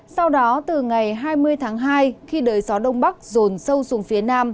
sau đó từ ngày hai mươi tháng hai khi đời gió đông bắc rồn sâu xuống phía nam